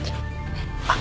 えっ？